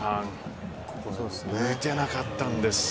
打てなかったんです。